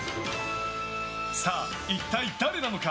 さあ、一体誰なのか？